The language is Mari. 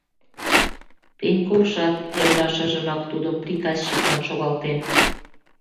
Пеньковшат эрлашыжымак тудым приказчиклан шогалтен.